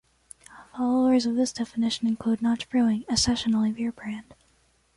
Followers of this definition include Notch Brewing, a session only beer brand.